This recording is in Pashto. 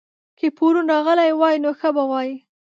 که پرون راغلی وای؛ نو ښه به وای